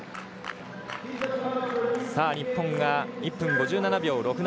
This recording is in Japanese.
日本が１分５７秒６７。